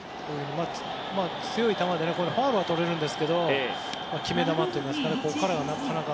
強い球でファウルをとれるんですが決め球、ここからはなかなか。